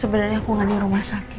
sebenarnya aku nggak di rumah sakit